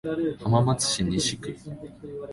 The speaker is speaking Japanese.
浜松市西区